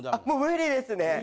もう無理ですね。